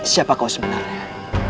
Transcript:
siapa kau sebenarnya